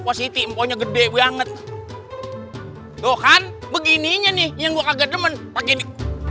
positive punya gede banget tuh kan begininya nih yang gua kaget temen begini